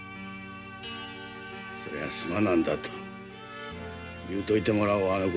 そりゃすまなんだと言うといてもらおうあの子に。